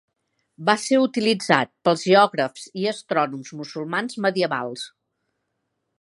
Va ser utilitzat pels geògrafs i astrònoms musulmans medievals.